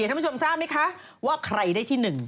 ท่านผู้ชมทราบมั้ยคะว่าใครได้ที่หนึ่ง